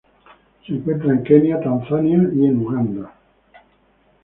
Se encuentra en Kenia Tanzania y en Uganda.